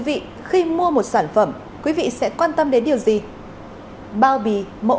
và nằm bên ngoài bao bì